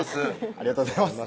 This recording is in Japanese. ありがとうございます